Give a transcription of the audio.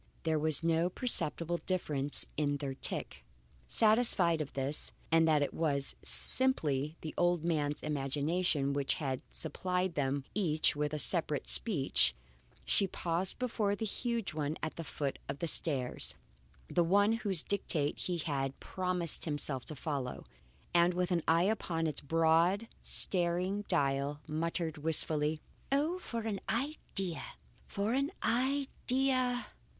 There was no perceptible difference in their tick. Satisfied of this and that it was simply the old man's imagination which had supplied them each with separate speech, she paused before the huge one at the foot of the stairs, the one whose dictate he had promised himself to follow, and with an eye upon its broad, staring dial, muttered wistfully: "Oh! for an idea! For an idea!"